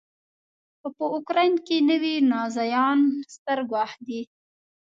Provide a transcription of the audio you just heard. په اوکراین کې نوي نازیان ستر ګواښ دی.